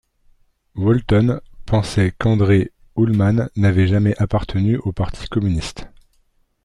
Wolton pensait qu'André Ulmann n'avait jamais appartenu au parti communiste.